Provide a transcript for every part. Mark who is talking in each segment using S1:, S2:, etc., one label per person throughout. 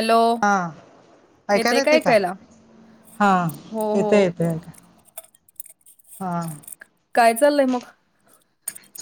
S1: Hello
S2: हा ऐकायला
S1: येतय काय
S2: येते का. हा
S1: हो हो
S2: येते येते येत हा
S1: काय चालय मग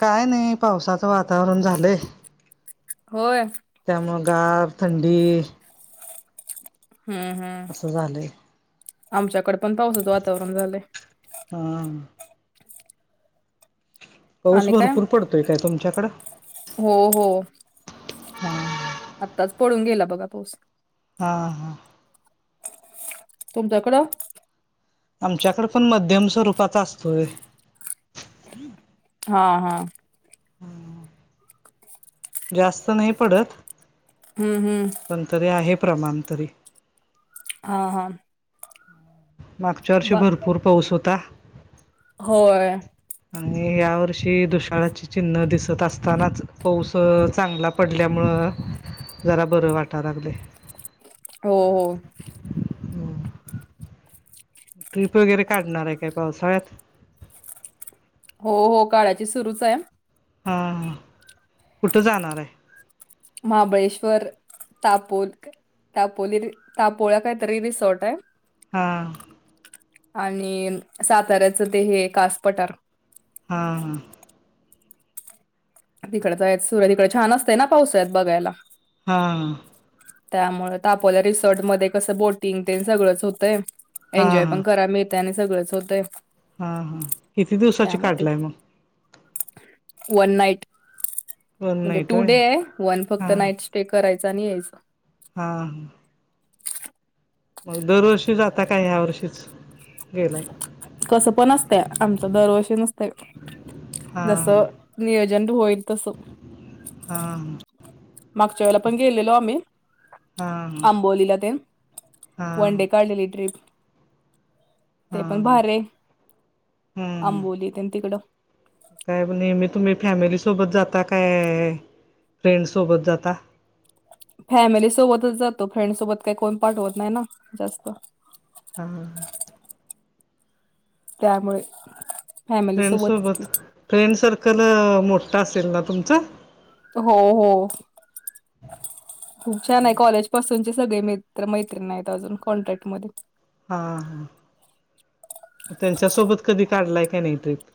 S2: काय नाही पावसाचं वातावरण झालंय
S1: होय
S2: त्यामुळ गार थंडी
S1: हम् हम
S2: असं झालंय
S1: आमच्याकडे पण पावसाचं वातावरण झालंय
S2: हा पाऊस
S1: आणि काय
S2: भरपूर पडतोय काय तुमच्याकडं
S1: हो हो आत्ताच पळून गेला बघा पाऊस
S2: हा हा
S1: तुमच्याकडं
S2: आमच्याकडे पण मध्यम स्वरूपाचा असतोय
S1: हा हा
S2: हम जास्त नाही पडत
S1: हम्म हम्म
S2: पण तरी आहे प्रमाण तरी
S1: हा हा
S2: मागच्या वर्ष
S1: बा
S2: भरपूर पाऊस होता
S1: होय
S2: आणि या वर्षी दुषाळाची चिन्ह दिसत असतानाच पाऊस चांगला पडल्यामुळं जरा बरं वाटा लागले
S1: हो हो
S2: हम्म ट्रिप वगैरे काढणार आहे काय पावसाळ्यात
S1: हो हो काळाची सुरूच आहे
S2: हा कुठं जाणार आहे
S1: महाबळेश्वर तापोल तापोली तापोळा काहीतरी रिसॉर्ट आहे
S2: हा
S1: आणि साताऱ्याचं ते हे कास पटार
S2: हा ह
S1: तिकडच आहेत सुरत इिकडे छान असतें ना पाऊसत बघायला
S2: हा
S1: त्यामुळे तापोल्या रिसॉर्टमध्येध्ये कसं बोटिंग ते सगळंच होतं
S2: हा हा
S1: एन्जॉय पण करा मिळत त्याने सगळंच होतं
S2: हा हा किती दिवसाची काढलाय मग
S1: वन नाईट
S2: वन
S1: म्हणजे
S2: नाईट
S1: टू
S2: होय
S1: डे आहे वन फक्त
S2: हा
S1: नाईट ते करायचं आणि यायचं
S2: हा ह मग दरवर्षी जाता काय ह्या वर्षीच गेलाय
S1: कस पण असत आमच दरवर्षी नसत
S2: हा
S1: जस नियोजन होईल तसं
S2: हा ह
S1: मागच्या वेला पण गेलेलो आ्ही
S2: हा
S1: आंबोलीला ते
S2: हा
S1: वनडे काढलेली ट्रिप ते
S2: हा
S1: पण भारे
S2: हम्म
S1: आंबोली त्यां तिकडं
S2: काय नेमी तुम्ही फॅमिलीसोबत जाता काय फ्रेंड्सोबत जाता
S1: फॅमिली सोबतच जातो फ्रेंड सोबत काही कोण पाठवत नाही ना जास्त
S2: हा
S1: त्यामुळे फॅमिली
S2: फ्रेंड
S1: सोबतच
S2: सोबत
S1: की
S2: फ्रेंड सर्कल मोठा असेल ना तुमचा
S1: हो हो खूप छान आहे कॉलेज पासून सगळे मित्र-मैत्रीण आहेत अजून कॉन्टॅक्ट मध्ये
S2: हा त्यांच्या सोबत कधी काढलाय का नाही ट्रीप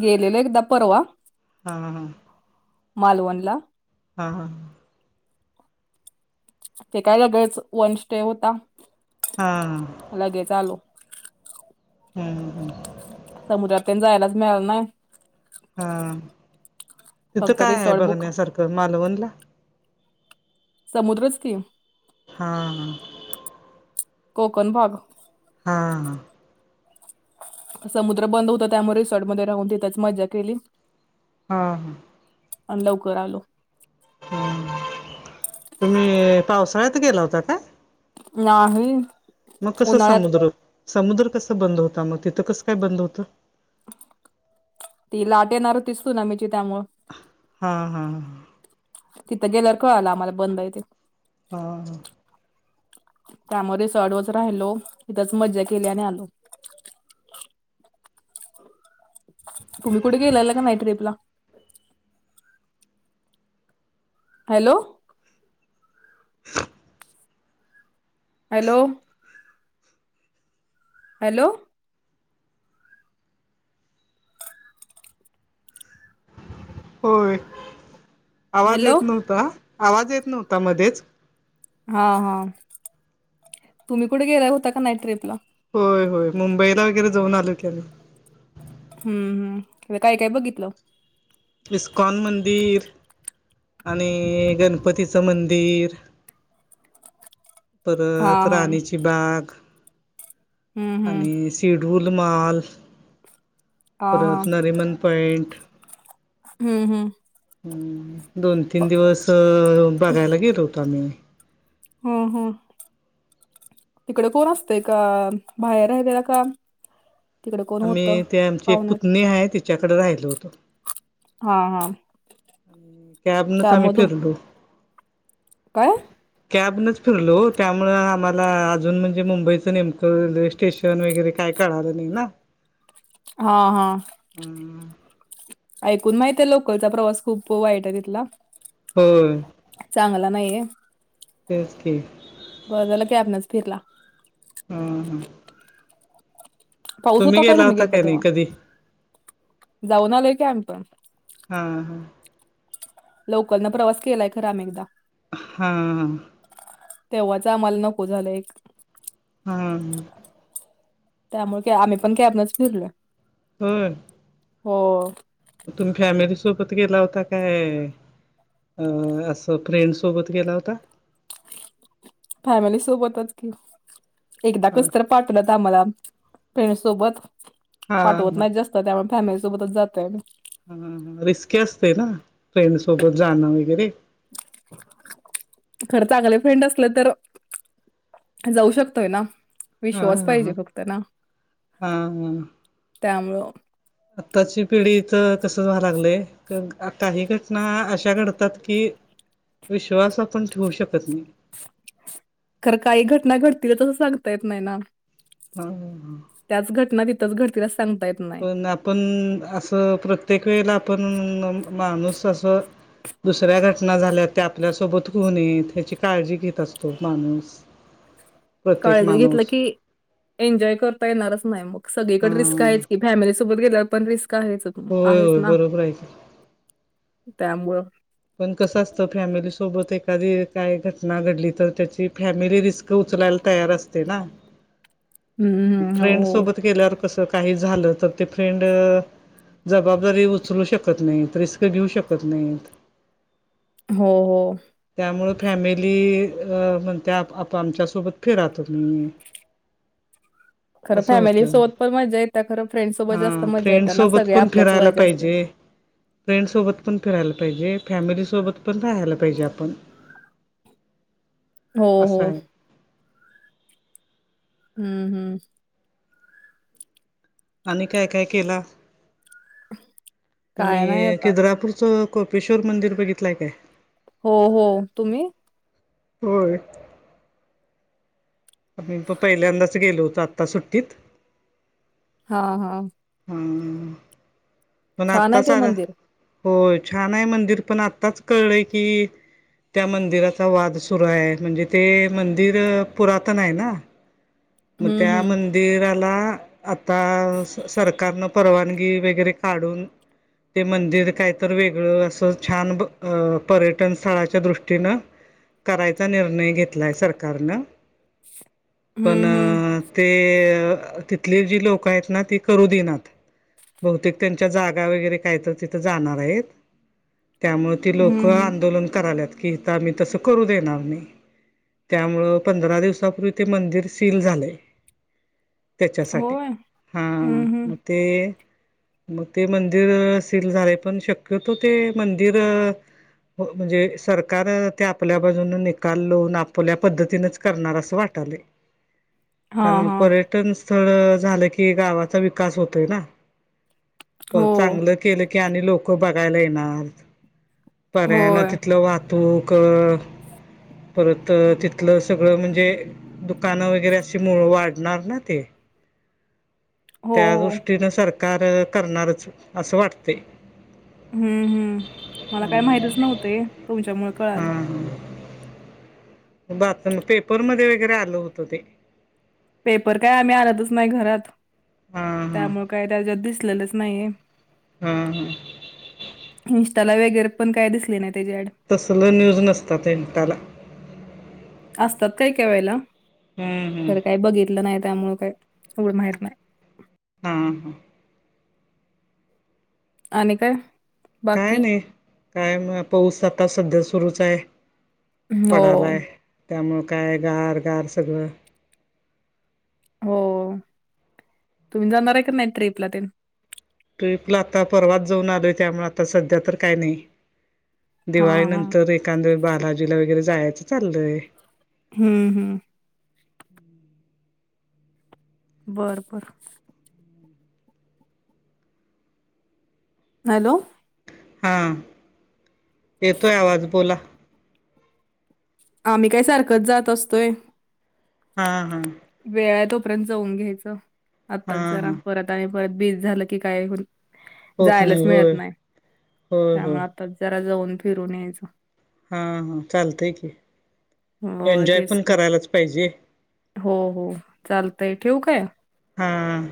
S1: गेलेलो एकदा परवा
S2: हा हा
S1: मालवणला
S2: हा हा
S1: ते काय सगळच वन स्टे होता
S2: हा
S1: लगेच आलो
S2: हम् ह हम
S1: समुद्रात पण जायलाच मिळालं नाही
S2: हा तिथं
S1: फक्त
S2: काय आहे
S1: रिसॉर्ट बुक
S2: बघण्यासारखं मालवणला
S1: समुद्रच की
S2: हा ह
S1: कोकणभाग
S2: हां ह
S1: समुद्र बंद होता त्यामुळे रिसॉर्ट मध्ये राहून तिथेच मज्जा केली
S2: हा
S1: अन लवकर आलो
S2: ह तुम्ही पावसाळ्यात गेला होता काय
S1: नाही
S2: मग कसं
S1: उन्हाळ्यात
S2: समुद्र समुद्र कसं बंद होता मग तिथं कसं काय बंद होतं
S1: ती लाट येणार होती स्तुनामीची त्यामुळे
S2: हा हा
S1: तिथं गेल्यावर कळला आम्हाला बंद आहे ते
S2: आं.
S1: त्यामुळे रिसॉर्टवर राहिलो तिथेच मज्जा केली आणि आलो. तुम्ही कुठे गेलेल्या की नाही ट्रीपला? हॅलो. हॅलो. हॅलो.
S2: होय आवाज
S1: हॅलो
S2: येत नव्हता, आवाज येत नव्हता मध्येच.
S1: हां हां तुम्ही कुठे गेल्या होता की नाही ट्रीपला?
S2: होय होय मुंबईला वगैरे जाऊन आलो की आम्ही.
S1: हम्म हम्म काय काय बघितलं?
S2: इस्कॉन मंदिर आणि अ गणपतीचं मंदिर.
S1: हा
S2: परत
S1: हा
S2: राणीची बाग
S1: हम्म हम्म
S2: आणि सि टिडवल माल
S1: हा हा
S2: परत नरिमन पॉइंट.
S1: हम्म हम्म.
S2: दोन तीन दिवस अ बघायला गेलो होतो आम्ही.
S1: हो हो तिकडे कोण असतेय का? बाहेर राहिलेला का? तिकडे कोण होतं
S2: आम्ही ते आमची एक
S1: पाहुण्यात
S2: पुतणी हाय तिच्याकडे राहिलो होतो.
S1: हां हां.
S2: कॅबनच आम्ही फिरलो.
S1: काय?
S2: कॅबनच फिरलो ओ त्यामुळ आम्हाला अजून म्हणजे मुंबईचं नेमकं रेल्वे स्टेशन वगैरे काय कळालं नाही ना.
S1: हां हां.
S2: [inaudible]
S1: ऐकून माहितीय लोकलचा प्रवास खूप वाईट हाय तिथला.
S2: होय.
S1: चांगला नाहीेय.
S2: तेच की.
S1: बरं झालं कॅबनच फिरला.
S2: हम्म हम्म.
S1: पाऊस होतो काय
S2: गेला
S1: तुम्ही
S2: होता
S1: गेलता
S2: नाही
S1: तेव्हा?
S2: कधी
S1: जाऊन आलोय की आम्ही पण.
S2: हां हां.
S1: लोकलनं प्रवास केलाय खरा आम्ही एकदा.
S2: हा.
S1: तेव्हाच आम्हाला नको झालं एक.
S2: हा हम्म.
S1: त्यामुळं काय आम्ही पण कॅबनच फिरलोय.
S2: होय.
S1: हो.
S2: तुम्ही फॅमिली सोबत गेला होता काय अ असं फ्रेंड सोबत गेला होता.
S1: फॅमिली सोबतच कि एकदा
S2: हा
S1: कस तर पाठवल्यात आम्हाला फ्रेंड सोबत
S2: हा
S1: पाठवत नाही
S2: हा
S1: जास त त्यामुळं फॅमिली सोबतच जातोय आम्ही.
S2: हा हा रिस्की असतय ना फ्रेंड सोबत जाणं वगैरे.
S1: खरं चांगले फ्रेंड असल तर जाऊ शकतोय ना
S2: हा
S1: विश्वास
S2: हा
S1: पाहिजे
S2: हा
S1: फक्त ना.
S2: हा
S1: त्यामुळं.
S2: आत्ताची पिढी त तसंच व्हा लागलंय. क आता हे घटना अशा घडतात की विश्वास आपण ठेवू शकत नाही.
S1: खर काही घटना घडतील तसं सांगता येत नाही ना
S2: हा हा.
S1: त्याच घटना तिथच घडती अस
S2: पण आपण आसं प्रत्येक वेळेला आपण माणूस असं दुसऱ्या घटना झाल्यात त्या आपल्यासोबत हू नयेत ह्याची काळजी घेत असतो माणूस [unintelligible]
S1: काळजी घेतलं
S2: माणूस
S1: की एन्जॉय करता येणारच नाही मग
S2: हा
S1: सगळीकडे रिस्क आहेच की फॅमिलीसोबत गेल्यावर पण रिस्क आहेच
S2: होय
S1: आहेच
S2: होय
S1: ना
S2: बरोबर आहे की
S1: त्यामुळं
S2: पण कसं असतं फॅमिलीसोबत एखादी काय घटना घडली तर त्याची फॅमिली रिस्क उचलायला तयार असते ना
S1: हं, हो,
S2: फ्रेंड
S1: हो.
S2: सोबत गेल्यावर स काही झालं तर ते फ्रेंड जबाबदारी उचलू शक कत नाहीत रिस्क घेऊ शकत नाहीत.
S1: हो हो.
S2: त्यामुळ फॅमिली अ म्हणत्या आप आमच्या सोबत फिरा तुम्ही [inaudible]
S1: खरं
S2: असं होतं
S1: फॅमिलीसोबत पण मजा येते खरं फ्रेंड्ससोबत
S2: हा
S1: जास्त मजा
S2: फ्रेंड
S1: येते ना
S2: सोबत
S1: सगळे
S2: पण
S1: आपल्याच
S2: फिरायला
S1: वयाचे असतात.
S2: पाहिजे. फ्रेंडसोबत पण फिरायला पाहिजे. फॅमिलीसोबत पण रहायला पाहिजे आपण
S1: हो हो
S2: असं आहे
S1: हम्म हम्म
S2: आणि काय काय केला.
S1: ह [inaudible]
S2: तुम्ही किद्रापूरचं कोपेश्वर मंदिर बघितलं आय काय
S1: हो हो तुम्ही
S2: होय. आमी प पहिल्यांदाच गेलो होतो आता सुट्टीत
S1: हा हा
S2: हम्म पण
S1: छान
S2: आत्ता
S1: आहे ते
S2: सारा
S1: मंदिर.
S2: हो छान आहे मंदिर पण आत्ताच कळलंय की त्या मंदिराचा वाद सुरू आहे म्हणजे ते मंदिर पुरातन आहे ना म
S1: हं,
S2: त्या
S1: हं.
S2: मंदिराला आता सरकारन परवानगी वगैरे काढून ते मंदिर काय तर वेगळं असं छान प अ पर्यटन स्थळाच्या दृष्टीनं करायचा निर्णय घेतलाय सरकारनं पण
S1: हं, हं.
S2: ते तिथली जी लोकं आहेत ना ती करू देईनात. बहुतेक त्यांच्या जागा वगैरे काय त तिथ जाणार आहेत त्यामुळे ती लोक
S1: हं, हं.
S2: आंदोलन कराल्यात की इथ आमी तसं करू देणार नाही. त्यामुळं पंधरा दिवसापूर्वी ते मंदिर सील झालय. त्याच्यासाठी
S1: होय?
S2: हा
S1: हं, हं.
S2: म ते मग ते मंदिर सील झालेय पण शक्यतो ते मंदिर म्हणजे सरकार ते आपल्या बाजून निकाल [unintelligible] आपोल्या पद्धतीनच करणार असं वाटायला.
S1: हां,
S2: कारण
S1: हां.
S2: पर्यटन स्थळ झालं की गावाचा विकास होतोय ना, हो चांगलं केलं की आणि लोक बघायला येणार पर्यायानं ना
S1: होय.
S2: तिथलं वा तूक परत तिथलं सगळं म्हणजे दुकानं वगैरे अ मुळ वाढणार ना ते
S1: हो, हो.
S2: त्यादृष्टीनं सर कार करणारच असं वाटते.
S1: हम्म हम्म, मला काय माहतीच नव्हते तुमच्या मूळ कळाल.
S2: हां हां बातम पेपरमध्ये वगैरे आलं होतं ते.
S1: पेपर काय आम्ही आणतच नाही घरात,
S2: हां हां
S1: त्यामुळे काय त्याच्यात दिसलेलंच नाहीये.
S2: हा ह.
S1: इन्स्टॉला वगैरे पण काय दिसले नाही त्याची आईडी.
S2: तसलं न्यूज नसत तें इंटाला.
S1: असतात काय के वळेला
S2: हम्म हम्म
S1: तर काही बघितलं नाही त्यामुळं काही एवढं माहित नाही.
S2: हा हा.
S1: आणि काय?
S2: काय
S1: बाकी
S2: नाही, काय म पाऊस आता सध्या सुरूच आहे.
S1: हो
S2: पडालाय त्यामुळं काय गार, गार सगळं.
S1: हो तुम्ही जाणार आहे का नाही ट्रीपला तेन?
S2: ट्रिपला आता परवाच जाऊन आलोय त्यामुळे आता सध्या तर काय नाही.
S1: हा
S2: दिवाळी
S1: हा
S2: नंतर एकांद वेळ बालाजीला वगैरे जायचं चालय.
S1: हम्म हम्म. बर बर. हॅलो!
S2: हां, येतोय आवाज बोला.
S1: आम्ही काय सारखंच जात असतोय.
S2: हा हा.
S1: वेळ तोपर्यंत जाऊन घ्यायचं
S2: हा
S1: आत्ताच जरा
S2: हा
S1: परत आणि परत बीज झालं की काय हो.
S2: होत
S1: जायलाच
S2: होय
S1: मिळत नाही
S2: होय होय
S1: त्यामुळे आताच जरा जाऊन फिरून यायचं.
S2: हा हा चालतंय की,
S1: हो
S2: एन्जॉय
S1: तेच
S2: पण
S1: की
S2: करायलाच पाहिजे.
S1: हो हो चालतंय, ठिऊ काय?
S2: हां.